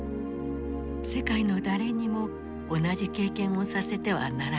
世界の誰にも同じ経験をさせてはならない。